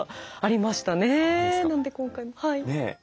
なんで今回もはい。